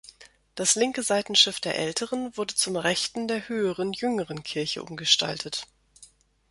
Das linke Seitenschiff der älteren wurde zum rechten der höheren jüngeren Kirche umgestaltet.